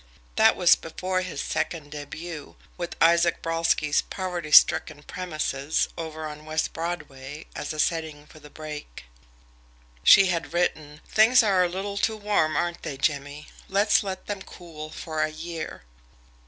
That was before his second debut, with Isaac Brolsky's poverty stricken premises over on West Broadway as a setting for the break. SHE had written: "Things are a little too warm, aren't they, Jimmie? Let's let them cool for a year."